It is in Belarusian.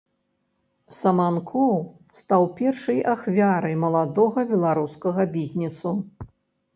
Саманкоў стаў першай ахвярай маладога беларускага бізнесу.